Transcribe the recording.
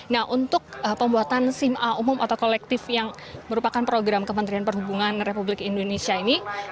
nah untuk pembuatan sim a umum atau kolektif yang merupakan program kementerian perhubungan republik indonesia ini